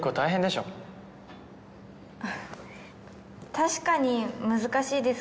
確かに難しいですけど。